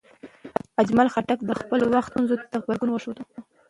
اجمل خټک د خپل وخت ستونزو ته غبرګون وښود.